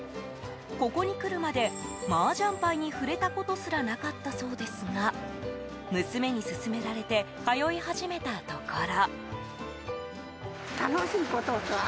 ここに来るまでマージャン牌に触れたことすらなかったそうですが娘に勧められて通い始めたところ。